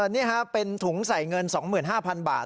นี่ครับเป็นถุงใส่เงิน๒๕๐๐๐บาท